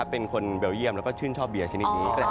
เป็นคนเบลเยี่ยมแล้วก็ชื่นชอบเบียร์ชนิดนี้